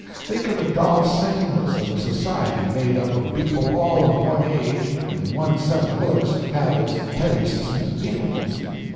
Think of the dull sameness of a society made up of people all of one age and one set of looks, habits, tastes and feelings.